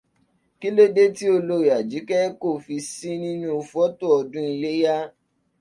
Kí ló dé tí Olorì Àjíkẹ́ kò fi sí nínú fọ́tò ọdún Iléyá?